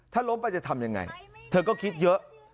ถ้าล้มไปจะทำยังไงเธอก็คิดเยอะ